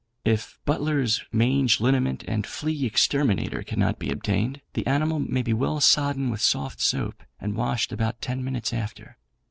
If 'Butler's Mange Liniment and Flea Exterminator' cannot be obtained, the animal may be well sodden with soft soap and washed about ten minutes after.